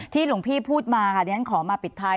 ที่หลวงพี่พูดมาดังนั้นขอมาปิดท้าย